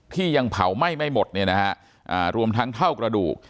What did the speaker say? ที่ยังเผาไหม้ไม่หมดเนี่ยนะฮะอ่ารวมทั้งเท่ากระดูก